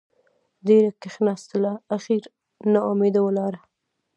ډېره کېناستله اخېر نااوميده لاړه.